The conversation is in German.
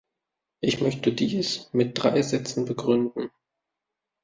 Ich möchte dies mit drei Sätzen begründen.